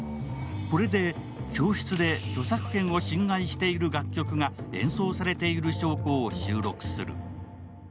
これで教室で著作権を侵害している楽曲が演奏されている証拠を収録する。